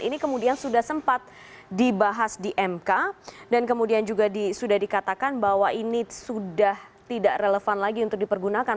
ini kemudian sudah sempat dibahas di mk dan kemudian juga sudah dikatakan bahwa ini sudah tidak relevan lagi untuk dipergunakan